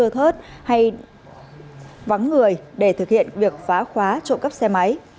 thưa thớt hay vắng người để thực hiện việc phá khóa trộm cắp xe máy